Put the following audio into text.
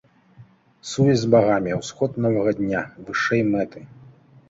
Сувязь з багамі, усход новага дня, вышэй мэты.